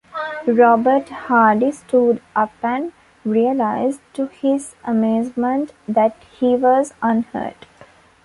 Robert Hardy stood up and realised to his amazement that he was unhurt.